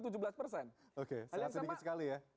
oke sangat sedikit sekali ya